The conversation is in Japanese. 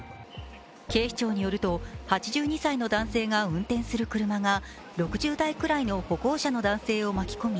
警視庁によると８２歳の男性が運転する車が６０代くらいの歩行者の男性を巻き込み